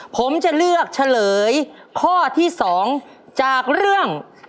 ผมจะเลือกเฉลยข้อที่๒จากเรื่อง